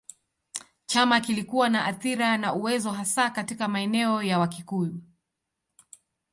Chama kilikuwa na athira na uwezo hasa katika maeneo ya Wakikuyu.